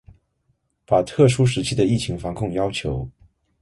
把特殊时期的防控疫情要求